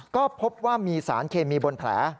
ก็พบว่ามีสารเคมีบนแผล